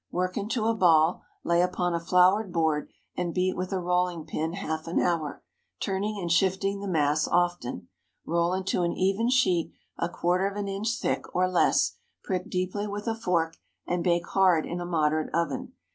Work into a ball, lay upon a floured board, and beat with a rolling pin half an hour, turning and shifting the mass often. Roll into an even sheet, a quarter of an inch thick, or less, prick deeply with a fork, and bake hard in a moderate oven.